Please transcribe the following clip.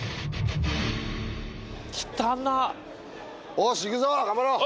おしっいくぞ頑張ろう。